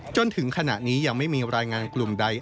จนถึงขณะนี้ยังไม่มีรายงานกลุ่มใด